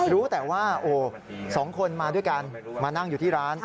รู้แต่ว่า๒คนมาด้วยกันมานั่งอยู่ที่ร้าน